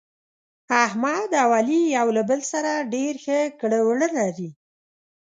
احمد او علي یو له بل سره ډېر ښه کړه وړه لري.